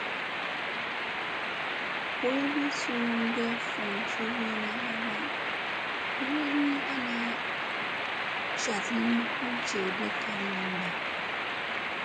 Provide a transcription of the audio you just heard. Boyogii suu ɗef vun jufyusina halaŋ min ni ana casi ni u jewɗek garyamma.